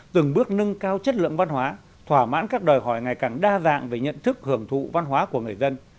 từng bước nâng cao chất lượng văn hóa thỏa mãn các đòi hỏi ngày càng đa dạng về nhận thức hưởng thụ văn hóa của người dân